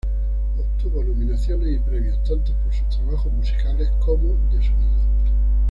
Obtuvo nominaciones y premios tanto por sus trabajos musicales como de sonido.